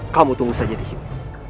kamu tunggu saja di sini